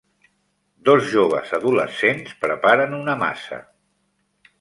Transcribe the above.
Dos joves adolescents preparen una massa.